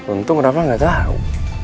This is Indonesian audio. untung rafa gak tau